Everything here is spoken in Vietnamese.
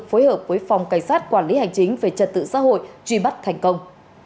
phối hợp với phòng cảnh sát quản lý hành chính về trật tự xã hội truy bắt thành công